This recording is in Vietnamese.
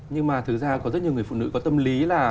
nhưng mà thực ra có rất nhiều người phụ nữ có tâm lý là